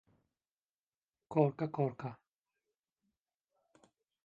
Korka korka…